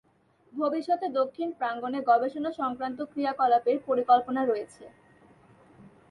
ভবিষ্যতে দক্ষিণ প্রাঙ্গণে গবেষণা সংক্রান্ত ক্রিয়াকলাপের পরিকল্পনা রয়েছে।